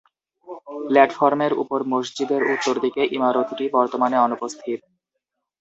প্লাটফর্মের উপরে মসজিদের উত্তরদিকের ইমারতটি বর্তমানে অনুপস্থিত।